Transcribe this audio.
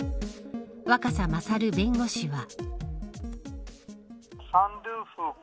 若狭勝弁護士は。